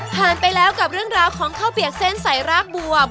ไปแล้วกับเรื่องราวของข้าวเปียกเส้นใส่รากบวบ